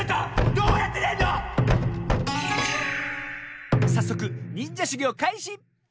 どうやってでんの⁉さっそくにんじゃしゅぎょうかいし！